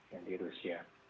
dan di rusia